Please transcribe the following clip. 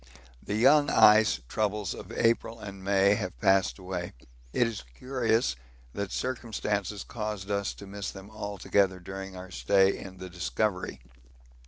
The young ice troubles of April and May have passed away. It is curious that circumstances caused us to miss them altogether during our stay in the _Discovery.